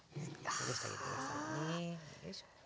ほぐしてあげて下さいねよいしょ。